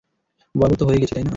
বরবাদ তো হয়েই গেছি, তাই না?